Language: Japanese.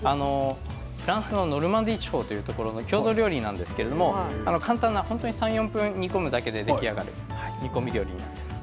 フランスのノルマンディー地方の郷土料理なんですけども簡単な３、４分煮込むだけで出来上がる煮込み料理になっています。